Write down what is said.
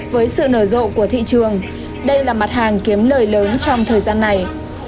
với sự nở rộ của thị trường đây là mặt hàng kiếm lời lớn trong thời gian này